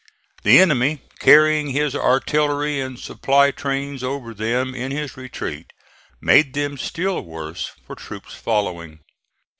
The enemy carrying his artillery and supply trains over them in his retreat, made them still worse for troops following.